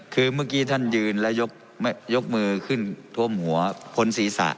คือเมื่อกี้ท่านยืนแล้วยกมือขึ้นท่วมหัวพ้นศีรษะ